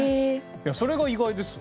それが意外です。